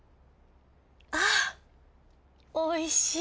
あおいしい。